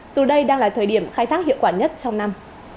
dù đây đang là thời điểm khai thác hiệu quả nhất trong năm